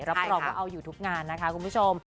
รับรองว่าเอาอยู่ทุกงานนะคะคุณผู้ชม